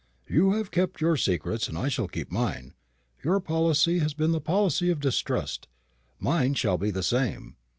"You have kept your secrets, and I shall keep mine. Your policy has been the policy of distrust. Mine shall be the same.